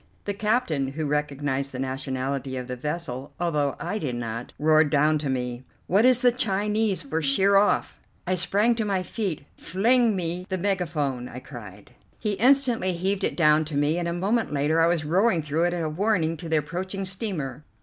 The captain, who recognized the nationality of the vessel, although I did not, roared down to me: "What is the Chinese for 'Sheer off?'" I sprang to my feet. "Fling me the megaphone," I cried. He instantly heaved it down to me, and a moment later I was roaring through it a warning to the approaching steamer.